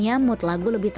aku akan berubah